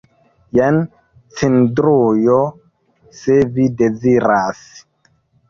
Jen cindrujo, se vi deziras.